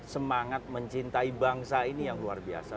semangat mencintai bangsa ini yang luar biasa